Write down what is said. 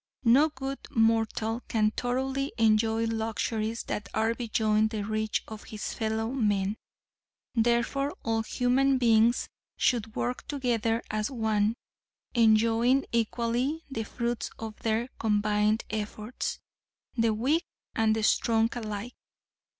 No good mortal can thoroughly enjoy luxuries that are beyond the reach of his fellow men, therefore all human beings should work together as one; enjoying equally the fruits of their combined efforts; the weak and the strong alike.